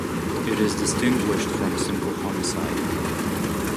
It is distinguished from simple homicide.